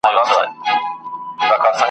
مړې که دا ډېوې کړو میخانې که خلوتون کړو ,